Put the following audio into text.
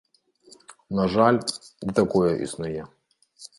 На жаль, і такое існуе.